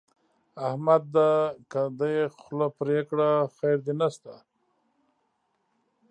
احمد ده که دې خوله پرې کړه؛ خير دې نه شته.